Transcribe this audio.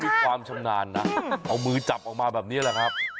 ความชำนาญนะเอามือจับออกมาแบบนี้แหละครับ